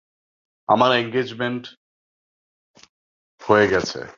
আমার এঙ্গেসমেন্ট হয়ে গেছে।